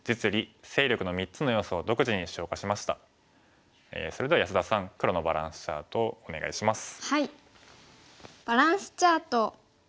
講座ではそれでは安田さん黒のバランスチャートをお願いします。